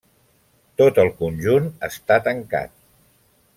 Tot el conjunt està tancat.